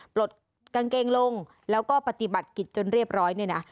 ปลดกางเกงลงแล้วก็ปฏิบัติกิจจนเรียบร้อยเนี่ยนะ